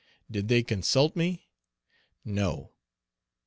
Did they consult me? No.